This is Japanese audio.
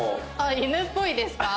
犬っぽいですか？